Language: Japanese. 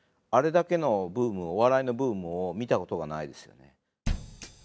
あれだけのお笑いのブームを見たことがないですよね。